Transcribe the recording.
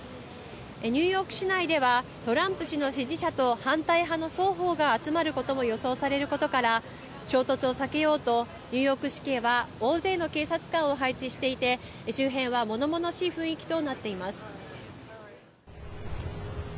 ニューヨーク市内では、トランプ氏の支持者と反対派の双方が集まることも予想されることから、衝突を避けようと、ニューヨーク市警は、大勢の警察官を配置していて、周辺はものものしい雰囲気となっています。